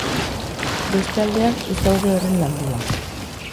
Beste aldeak ez daude horren landuak.